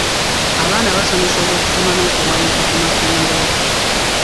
Abaana basomesebwa okusoma n'okuwandiika ku masomero.